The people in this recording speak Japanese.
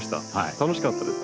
楽しかったです。